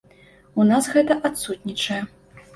У нас гэта адсутнічае.